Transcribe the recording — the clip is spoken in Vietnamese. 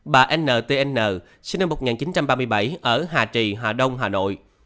một mươi bà n t n sinh năm một nghìn chín trăm ba mươi bảy ở hà trì hà đông hà nội